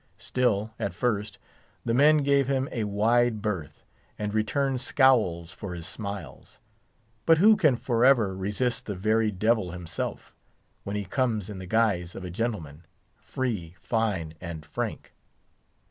Still, at first, the men gave him a wide berth, and returned scowls for his smiles; but who can forever resist the very Devil himself, when he comes in the guise of a gentleman, free, fine, and frank?